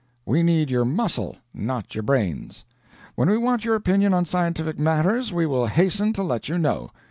We need your muscle, not your brains. When we want your opinion on scientific matters, we will hasten to let you know.